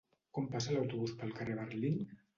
Quan passa l'autobús pel carrer Berlín?